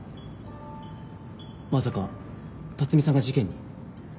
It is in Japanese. まさか辰巳さんが事件に？